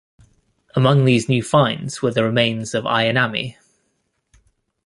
Among these new finds were the remains of "Ayanami".